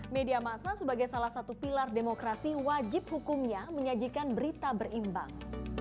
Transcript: media masa sebagai salah satu pilar demokrasi wajib hukumnya menyajikan berita berimbang